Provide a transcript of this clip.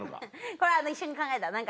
これは一緒に考えた。